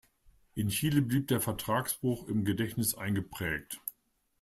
In Chile blieb der Vertragsbruch im Gedächtnis eingeprägt.